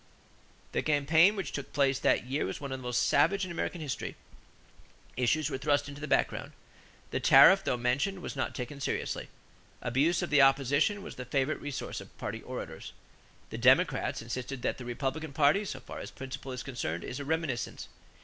The campaign which took place that year was one of the most savage in American history. Issues were thrust into the background. The tariff, though mentioned, was not taken seriously. Abuse of the opposition was the favorite resource of party orators. The Democrats insisted that "the Republican party so far as principle is concerned is a reminiscence.